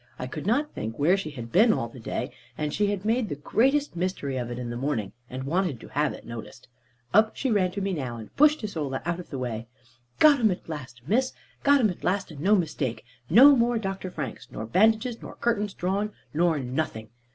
I could not think where she had been all the day; and she had made the greatest mystery of it in the morning, and wanted to have it noticed. Up she ran to me now, and pushed Isola out of the way. "Got 'em at last, Miss. Got 'em at last, and no mistake. No more Dr. Franks, nor bandages, nor curtains down, nor nothing.